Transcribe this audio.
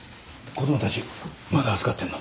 子供たちまだ預かってんの。